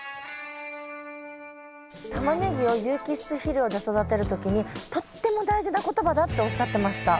タマネギを有機質肥料で育てる時にとっても大事な言葉だっておっしゃってました。